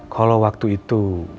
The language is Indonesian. kalau waktu itu